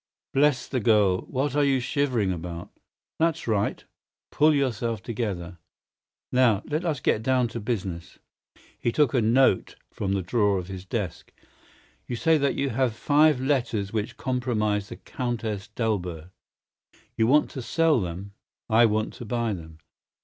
Bless the girl, what are you shivering about? That's right! Pull yourself together! Now, let us get down to business." He took a note from the drawer of his desk. "You say that you have five letters which compromise the Countess d'Albert. You want to sell them. I want to buy them.